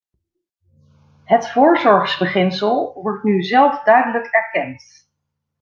Het voorzorgsbeginsel wordt nu zelf duidelijk erkend.